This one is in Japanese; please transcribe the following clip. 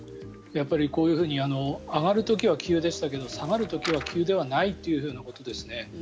こういうふうに上がる時は急でしたけど下がる時は急ではないということですね。